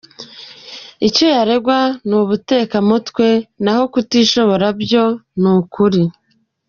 Icyo yaregwa n’ubutekamutwe, naho kutishobora byo n’ukuri.